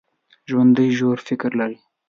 ژوندي ژور فکر لري